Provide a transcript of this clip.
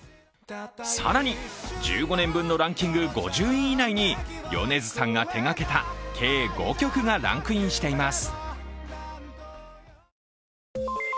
更に１５年分のランキング５０位以内に米津さんが手がけた計５曲がランクインしています。